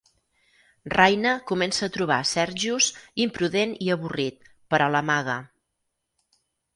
Raina comença a trobar Sergius imprudent i avorrit, però l'amaga.